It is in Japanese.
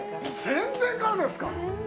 戦前からですか。